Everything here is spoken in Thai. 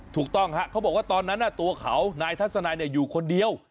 ถูกต้องฮะเขาบอกว่าตอนนั้นตัวเขานายทัศนายอยู่คนเดียว